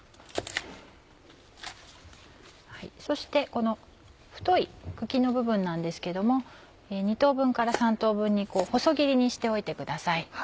そしてこの太い茎の部分なんですけども２等分から３等分に細切りにしておいてください。